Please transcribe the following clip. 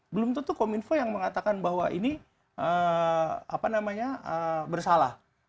belum tentu kominfo yang mengatakan bahwa ini bersalah